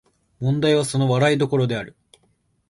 問題はその笑い所である